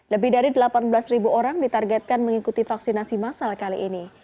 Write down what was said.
lebih dari delapan belas orang ditargetkan mengikuti vaksinasi masal kali ini